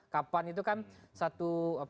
kapan itu kan satu